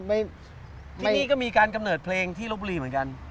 ที่นี่ก็มีการกำเนิดเพลงที่ลบบุรีเหมือนกัน